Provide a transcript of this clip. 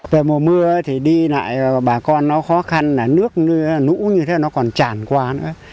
về mùa mưa thì đi lại bà con nó khó khăn là nước lũ như thế nó còn tràn qua nữa